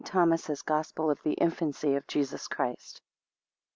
THOMAS'S GOSPEL OF THE INFANCY OF JESUS CHRIST.